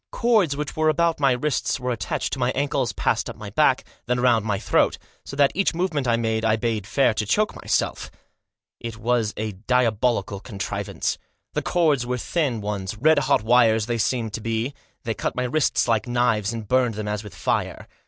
Cords which were about my wrists were attached to my ankles, passed up my back, then round my throat, so that each movement I made I bade fair to choke myself. It was a diabolical contrivance. The cords were thin ones — red hot wires they seemed to me to be, they cut my wrists like knives, and burned them as with fire.